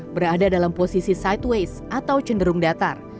berada dalam posisi sideways atau cenderung datar